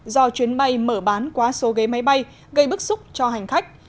do chuyến bay mở bán quá số ghế máy bay gây bức xúc cho hành khách